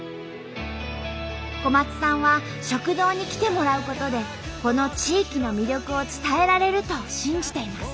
小松さんは食堂に来てもらうことでこの地域の魅力を伝えられると信じています。